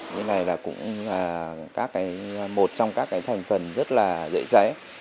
như này là một trong các thành phần rất dễ cháy